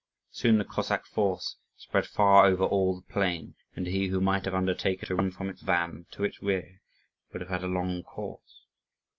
Soon the Cossack force spread far over all the plain; and he who might have undertaken to run from its van to its rear would have had a long course.